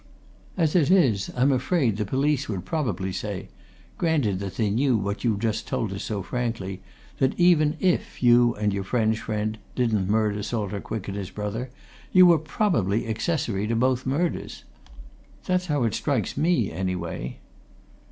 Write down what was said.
As it is, I'm afraid the police would probably say granted that they knew what you've just told us so frankly that even if you and your French friend didn't murder Salter Quick and his brother, you were probably accessory to both murders. That's how it strikes me, anyway."